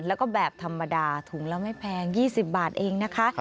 แล้วก็แบบธรรมดาถุงละไม่แพง๒๐บาทเองนะคะ